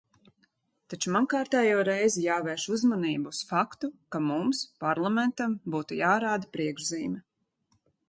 Taču man kārtējo reizi jāvērš uzmanība uz faktu, ka mums, Parlamentam, būtu jārāda priekšzīme.